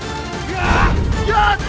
jangan lupa untuk berhenti